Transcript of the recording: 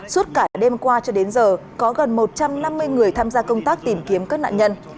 suốt cả đêm qua cho đến giờ có gần một trăm năm mươi người tham gia công tác tìm kiếm các nạn nhân